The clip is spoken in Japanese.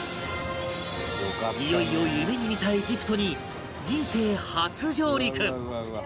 いよいよ夢に見たエジプトに人生初上陸！